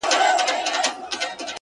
نو شاعري څه كوي ـ